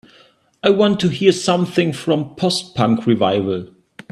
I want to hear something from Post-punk Revival